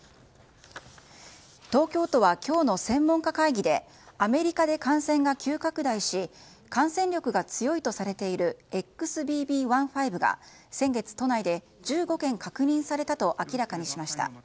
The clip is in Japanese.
東京都は今日の専門家会議でアメリカで感染が急拡大し感染力が強いとされているＸＢＢ．１．５が先月都内で１５件確認されたと明らかにしました。